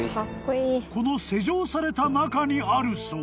［この施錠された中にあるそう］